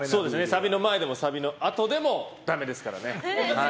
サビの前でもあとでもダメですからね。